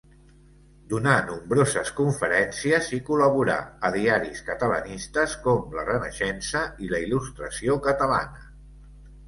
Donà nombroses conferències i col·laborà a diaris catalanistes com La Renaixença i La Il·lustració Catalana.